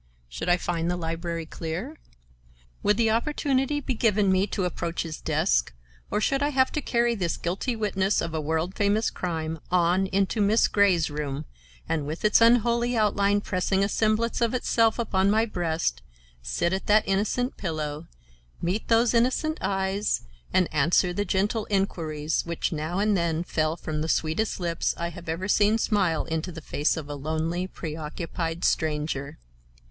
Should I find the library clear? Would the opportunity be given me to approach his desk, or should I have to carry this guilty witness of a world famous crime on into Miss Grey's room, and with its unholy outline pressing a semblance of itself upon my breast, sit at that innocent pillow, meet those innocent eyes, and answer the gentle inquiries which now and then fell from the sweetest lips I have ever seen smile into the face of a lonely, preoccupied stranger?